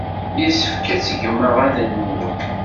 Yessefk ad tgem aɣanen-nwen.